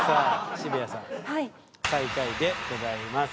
渋谷さんはい最下位でございます